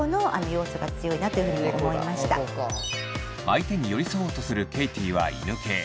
相手に寄り添おうとするケイティは犬系。